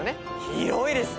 広いですね。